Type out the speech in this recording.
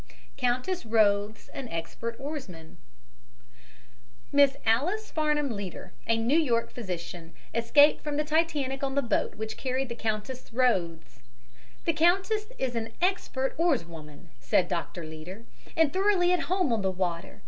COUNTESS ROTHES AN EXPERT OARSWOMAN Miss Alice Farnam Leader, a New York physician, escaped from the Titanic on the same boat which carried the Countess Rothes. "The countess is an expert oarswoman," said Doctor Leader, "and thoroughly at home on the water.